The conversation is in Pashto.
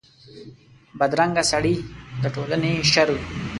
بدرنګه سړي د ټولنې شر وي